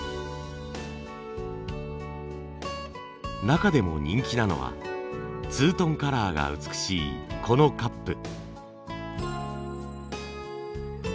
中でも人気なのはツートンカラーが美しいこのカップ。